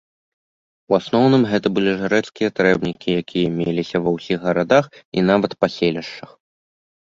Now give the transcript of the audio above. У асноўным гэта былі жрэцкія трэбнікі, якія меліся ва ўсіх гарадах і нават паселішчах.